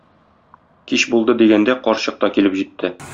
Кич булды дигәндә, карчык та килеп җитте.